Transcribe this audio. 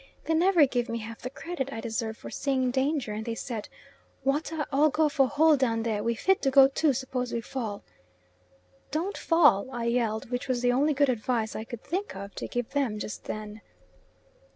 They never give me half the credit I deserve for seeing danger, and they said, "Water all go for hole down there, we fit to go too suppose we fall." "Don't fall," I yelled which was the only good advice I could think of to give them just then.